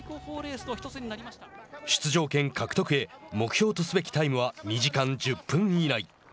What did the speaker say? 出場権獲得へ目標とすべきタイムは２時間１０分以内。